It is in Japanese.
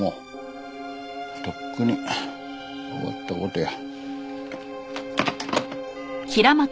とっくに終わった事や。